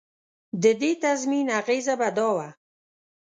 د دې تضمین اغېزه به دا وه.